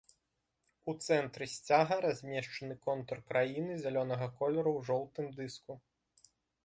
У цэнтры сцяга размешчаны контур краіны зялёнага колеру ў жоўтым дыску.